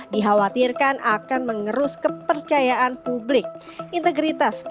dihawatirkan akan mengerus kepercayaan mereka untuk memperlihatkan hidup mereka